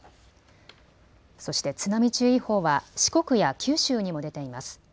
そして津波注意報は四国や九州にも出ています。